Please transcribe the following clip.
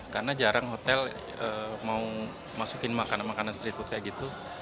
karena jarang hotel mau masukin makanan makanan street food kayak gitu